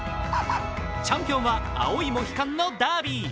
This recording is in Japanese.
チャンピオンは青いモヒカンのダービー。